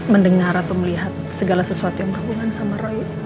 mendengar atau melihat segala sesuatu yang berhubungan sama roy